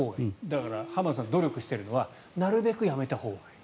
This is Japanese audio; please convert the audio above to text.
だから、浜田さん努力しているのはなるべくやめたほうがいい。